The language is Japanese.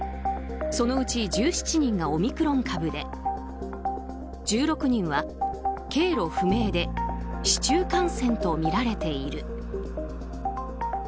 そのうち１７人がオミクロン株で１６人は経路不明で市中感染とみられている。